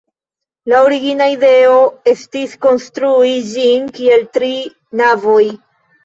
La origina ideo estis konstrui ĝin kiel tri navoj.